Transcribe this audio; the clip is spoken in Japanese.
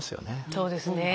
そうですね。